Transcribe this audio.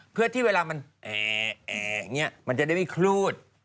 เพื่อที่เวลามันแอมันจะได้มีคลูด